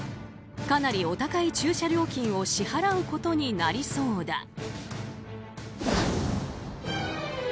かなりお高い駐車料金を支払うことになりそうだ。